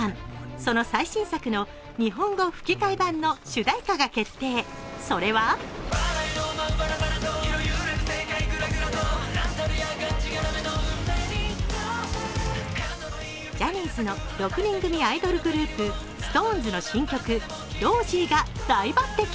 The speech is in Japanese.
その最新作の日本語吹き替え版の主題歌が決定、それはジャニーズの６人組アイドルグループ、ＳｉｘＴＯＮＥＳの新曲「Ｒｏｓｙ」が大抜擢。